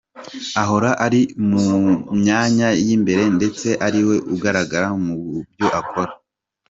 Ahora ari mu myanya y’imbere ndetse ariwe ugaragara mu byo akora.